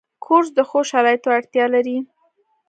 کورس د ښو شرایطو اړتیا لري.